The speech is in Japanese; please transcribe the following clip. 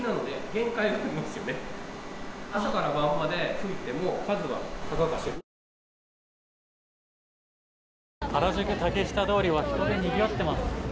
原宿・竹下通りは人でにぎわっています。